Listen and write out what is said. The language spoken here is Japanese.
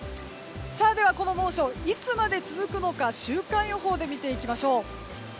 では、この猛暑いつまで続くのか週間予報で見ていきましょう。